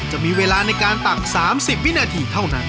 จะมีเวลานาคารตักอย่าง๓๐วินาทีเท่านั้น